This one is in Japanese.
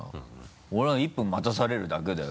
俺は１分待たされるだけだよ。